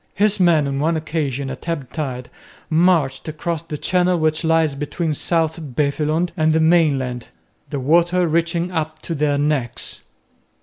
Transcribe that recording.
His men on one occasion at ebb tide marched across the channel which lies between South Beveland and the mainland, the water reaching up to their necks.